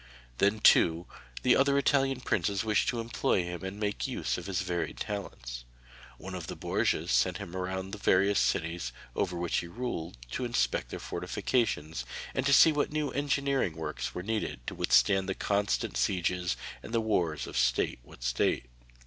Then too the other Italian princes wished to employ him and to make use of his varied talents. One of the Borgias sent him round the various cities over which he ruled, to inspect their fortifications, and to see what new engineering works were needed to withstand the constant sieges and the wars of state with state.